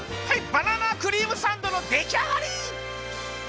バナナクリームサンドのできあがり！